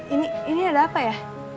ini ada apa ya